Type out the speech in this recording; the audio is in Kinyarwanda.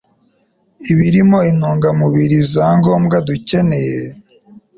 ibirimo intungamubiri za ngombwa dukeneye